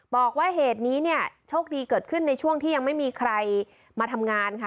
บอกว่าเหตุนี้เนี่ยโชคดีเกิดขึ้นในช่วงที่ยังไม่มีใครมาทำงานค่ะ